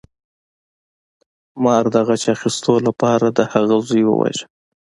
مار د غچ اخیستلو لپاره د هغه زوی وواژه.